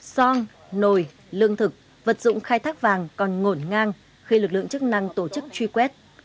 son nồi lương thực vật dụng khai thác vàng còn ngổn ngang khi lực lượng chức năng tổ chức truy quét